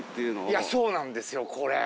いやそうなんですよこれ。